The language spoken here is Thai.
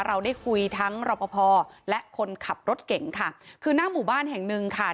เราได้คุยทั้งรอปภและคนขับรถเก่งค่ะคือหน้าหมู่บ้านแห่งหนึ่งค่ะ